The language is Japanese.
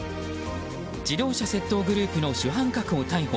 自動車窃盗グループの主犯格を逮捕。